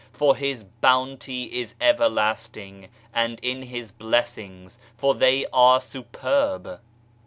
for His Bounty is everlasting, and in His Blessings, for they are superb.